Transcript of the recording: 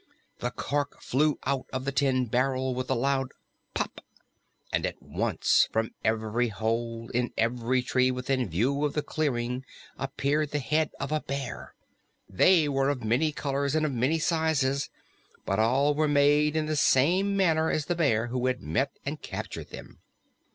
The cork flew out of the tin barrel with a loud "pop!" and at once from every hole in every tree within view of the clearing appeared the head of a bear. They were of many colors and of many sizes, but all were made in the same manner as the bear who had met and captured them.